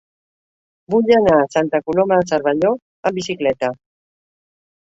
Vull anar a Santa Coloma de Cervelló amb bicicleta.